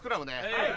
はい。